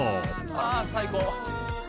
「ああー最高！」